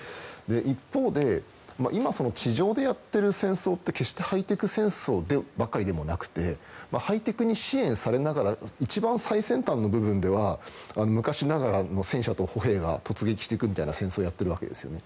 一方で今地上でやっている戦争って決してハイテク戦争ばかりではなくてハイテクに支援されながら一番、最先端の部分では昔ながらの戦車と歩兵が突撃していくみたいな戦争をやっているわけですよね。